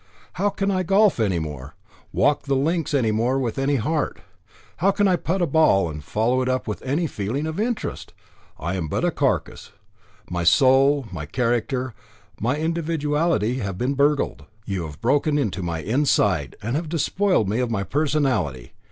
How can I golf any more? Walk the links any more with any heart? How can I putt a ball and follow it up with any feeling of interest? I am but a carcass. My soul, my character, my individuality have been burgled. You have broken into my inside, and have despoiled me of my personality."